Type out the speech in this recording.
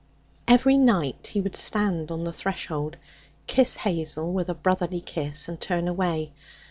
Every night he would stand on the threshold, kiss Hazel with a brotherly kiss, and turn away.